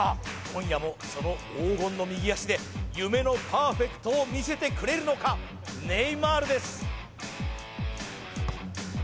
今夜もその黄金の右足で夢のパーフェクトを見せてくれるのかネイマールです・